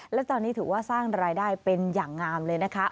และตอนนี้ถือว่าสร้างรายได้เป็นอย่างงามเลยนะคะ